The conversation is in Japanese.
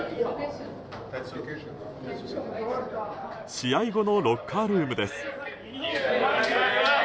試合後のロッカールームです。